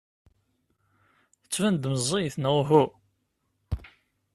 Tettban-d meẓẓiyet neɣ uhu?